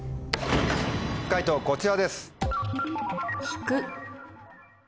解答こちらです。